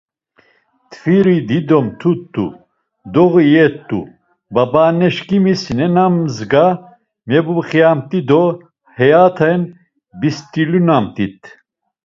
Mtviri dido mtumt̆u, doği iyet̆t̆u babaanneçkimiz nemazga mebuxiyamt̆i do heyaten bistulinamt̆it.